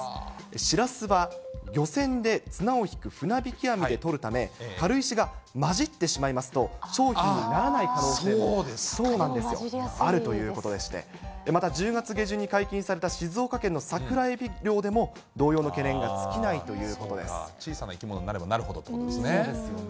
しらすは漁船で、綱を引く船引き網で取るため、軽石が混じってしまいますと、商品にならない可能性もあるということでして、また１０月下旬に解禁された静岡県のサクラエビ漁でも、同様の懸小さな生き物になればなるほそうですもんね。